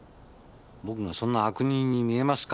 僕がそんな悪人に見えますか？